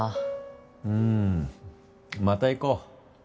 うんまた行こう。